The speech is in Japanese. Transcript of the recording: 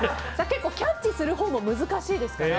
結構キャッチするほうも難しいですから。